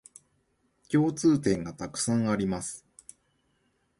共通点がたくさんあります